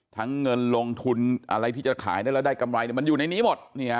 เงินลงทุนอะไรที่จะขายได้แล้วได้กำไรมันอยู่ในนี้หมด